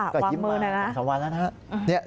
ก็ยิ้มมา๒วันแล้วนะฮะ